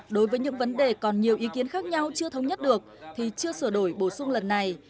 đối với những vấn đề còn nhiều ý kiến khác nhau chưa thống nhất được thì chưa sửa đổi bổ sung lần này